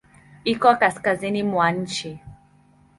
Iko kaskazini mwa nchi.